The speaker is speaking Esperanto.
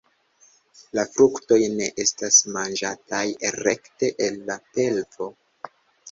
La fruktoj ne estas manĝataj rekte el la pelvo.